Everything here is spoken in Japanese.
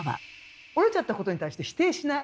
折れちゃったことに対して否定しない。